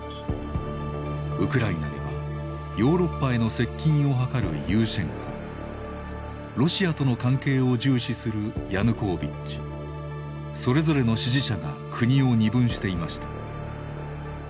ウクライナではヨーロッパへの接近を図るユーシェンコロシアとの関係を重視するヤヌコービッチそれぞれの支持者が国を二分していました。